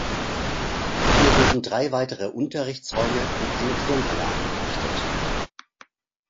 Hier wurden drei weitere Unterrichtsräume und eine Turnhalle eingerichtet.